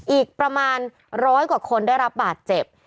อีกประมาณร้อยกว่าคนได้รับบาดเจ็บ